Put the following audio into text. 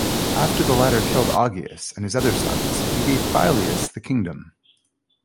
After the latter killed Augeas and his other sons, he gave Phyleus the kingdom.